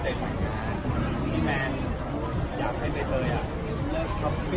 คือเขาอยากให้เป็นเตยอะครับ